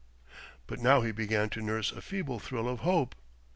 But now he began to nurse a feeble thrill of hope.